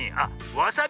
わさび！